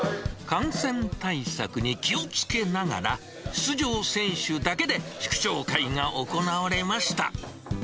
感染対策に気をつけながら、出場選手だけで祝勝会が行われました。